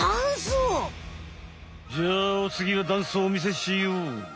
じゃあおつぎはダンスをおみせしよう。